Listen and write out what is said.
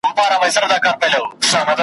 یو له تمي ویړه خوله وي درته خاندي `